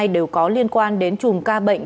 đều có liên quan đến chùm ca bệnh